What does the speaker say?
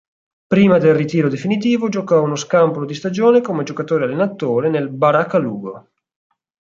Prima del ritiro definitivo giocò uno scampolo di stagione come giocatore-allenatore nel Baracca Lugo.